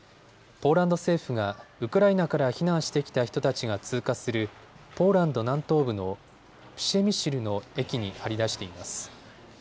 ポーランド政府がウクライナから避難してきた人たちが通過するポーランド南東部のプシェミシルの駅に貼り出しています。